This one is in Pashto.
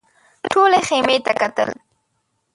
ټولو خيمې ته کتل.